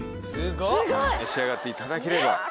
すごい！召し上がっていただければ。